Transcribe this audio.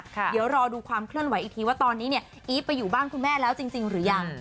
เดี๋ยวรอดูความเคลื่อนไหวอีกทีว่าตอนนี้เนี่ยอีฟไปอยู่บ้านคุณแม่แล้วจริงหรือยัง